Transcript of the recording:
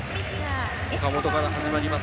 岡本から始まります